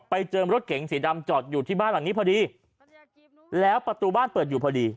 ไปเจอรถเก๋งสีดำจอดอยู่ที่บ้านหลังนี้พอดีแล้วประตูบ้านเปิดอยู่พอดี